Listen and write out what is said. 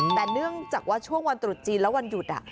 แต่เนื่องจากว่าช่วงวันตรุษจีนและวันหยุด